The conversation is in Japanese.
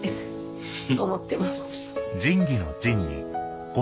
思ってます。